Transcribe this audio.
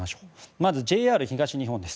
まず、ＪＲ東日本です。